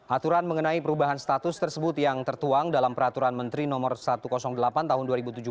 aturan mengenai perubahan status tersebut yang tertuang dalam peraturan menteri no satu ratus delapan tahun dua ribu tujuh belas